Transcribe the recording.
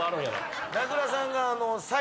名倉さんが。